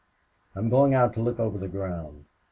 "I'm going out to look over the ground."